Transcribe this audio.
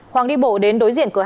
hoàng đi bộ đến đối diện cửa hàng